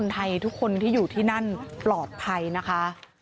ที่อยู่ที่นั่นปลอดภัยนะคะ